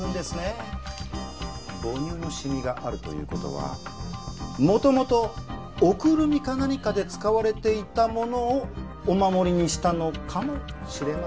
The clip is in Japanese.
母乳のシミがあるという事は元々おくるみか何かで使われていたものをお守りにしたのかもしれませんねえ。